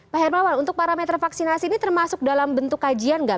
pak hermawan untuk parameter vaksinasi ini termasuk dalam bentuk kajian nggak